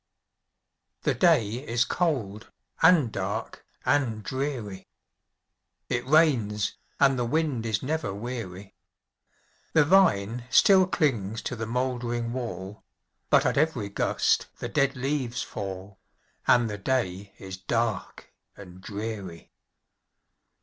The day is cold, and dark, and dreary; It rains, and the wind is never weary; The vine still clings to the moldering wall, But at every gust the dead leaves fall, And the day is dark and dreary.